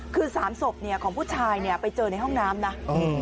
คือสามศพเนี่ยของผู้ชายเนี่ยไปเจอในห้องน้ำนะ